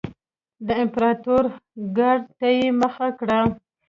د امپراتورۍ ګارډ ته یې مخه کړه